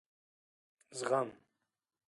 زغم ....